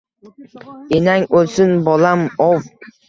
— Enang o’lsin bolam-ov